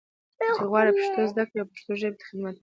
چې غواړي پښتو زده کړي او پښتو ژبې ته خدمت وکړي.